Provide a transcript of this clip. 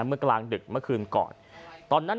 เมื่อกลางดึกเมื่อคืนก่อน